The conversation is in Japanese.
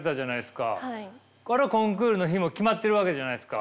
あれはコンクールの日も決まってるわけじゃないすか。